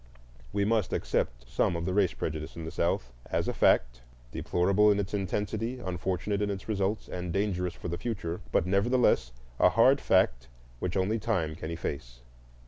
We must accept some of the race prejudice in the South as a fact,—deplorable in its intensity, unfortunate in results, and dangerous for the future, but nevertheless a hard fact which only time can efface.